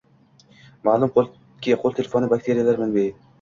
Maʼlumki, qoʻl telefoni bakteriyalar manbai.